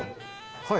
はい。